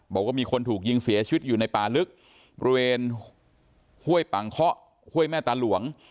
บอกว่ามีคนถูกยิงเสียชีวิตอยู่ในป่าลึกบริเวณห้วยปังเคาะห้วยแม่ตาหลวง